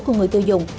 của người tiêu dùng